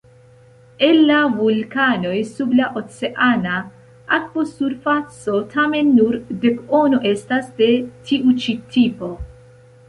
El la vulkanoj sub la oceana akvosurfaco tamen nur dekono estas de tiu-ĉi tipo.